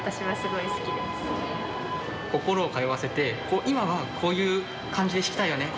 心を通わせて今はこういう感じで弾きたいよね。